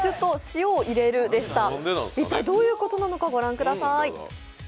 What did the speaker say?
一体どういうことなのか、御覧ください。